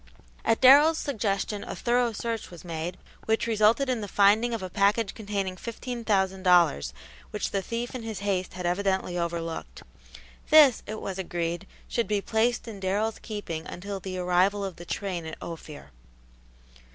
At Darrell's suggestion a thorough search was made, which resulted in the finding of a package containing fifteen thousand dollars which the thief in his haste had evidently overlooked. This, it was agreed, should be placed in Darrell's keeping until the arrival of the train at Ophir.